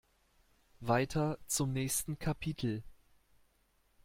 Weiter zum nächsten Kapitel.